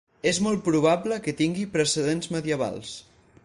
És molt probable que tingui precedents medievals.